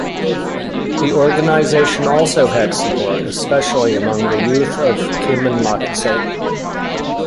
The organization also had support especially among the youth of Kymenlaakso.